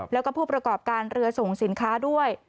แล้วก็ผู้ประกอบการเรือส่งสินค้าด้วย